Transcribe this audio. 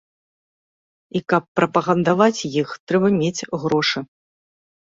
І каб прапагандаваць іх, трэба мець грошы.